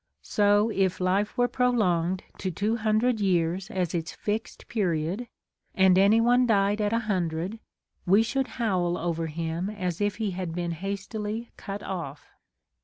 So if life were prolonged to two hundred years as its fixed period, and any one died at a hundred, we should howl over him as if he had been hastily cut off.